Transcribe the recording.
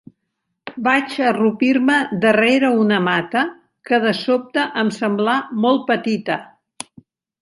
Vaig arrupir-me darrere una mata, que de sobte em semblà molt petita